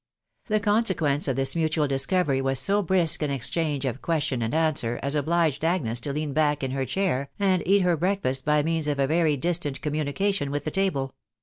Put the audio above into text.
The consequence of this mutual discovery was so brisk m exchange of question and answer as obliged Agnes to lean back in her chair, and eat her breakfast by means of a very distant communication with the table